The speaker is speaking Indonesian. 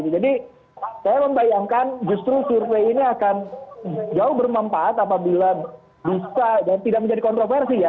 saya membayangkan justru survei ini akan jauh bermanfaat apabila bisa dan tidak menjadi kontroversi ya